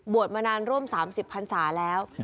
มานานร่วม๓๐พันศาแล้ว